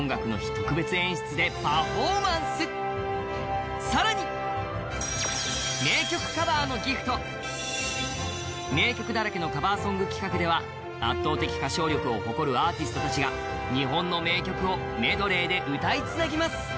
特別演出でパフォーマンスさらに名曲だらけのカバーソング企画では圧倒的歌唱力を誇るアーティストたちが日本の名曲をメドレーで歌いつなぎます